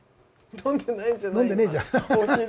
飲んでないんじゃない？